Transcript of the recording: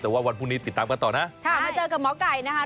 แต่ว่าวันพรุ่งนี้ติดตามกันต่อนะค่ะมาเจอกับหมอไก่นะคะ